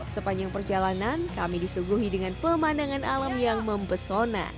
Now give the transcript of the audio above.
sepanjang perjalanan kami disuguhi dengan pemandangan alam yang mempesona